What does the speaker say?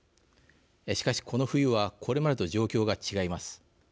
しかし、この冬はこれまでと状況が違います。